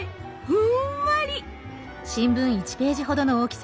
ふんわり！